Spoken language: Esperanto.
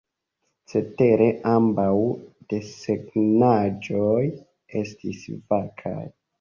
Cetere ambaŭ desegnaĵoj estis vakaj.